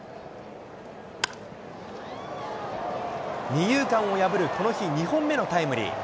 二遊間を破るこの日、２本目のタイムリー。